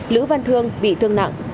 lữ văn thương bị thương nặng